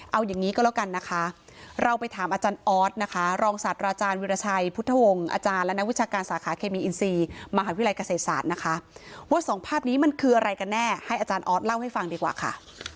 เอาอย่างนี้ก็แล้วกันนะคะเราไปถามอาจารย์ออสนะคะรองศาสตราจารย์วิราชัยพุทธวงศ์อาจารย์และนักวิชาการสาขาเคมีอินซีมหาวิทยาลัยเกษตรศาสตร์นะคะว่าสองภาพนี้มันคืออะไรกันแน่ให้อาจารย์ออสเล่าให้ฟังดีกว่าค่ะ